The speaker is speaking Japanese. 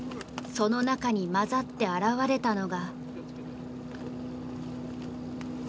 その中に交ざって現れたのが。